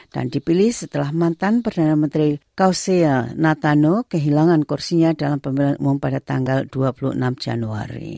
dan dipilih setelah mantan perdana menteri kausia natano kehilangan kursinya dalam pembelian umum pada tanggal dua puluh enam januari